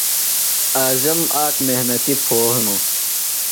اعظم آک محنتیۡ پھو ہِنوۡ۔